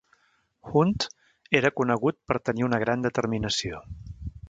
Hunt era conegut per tenir una gran determinació.